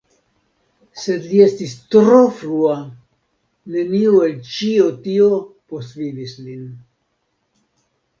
Sed li estis tro frua, nenio el ĉio tio postvivis lin.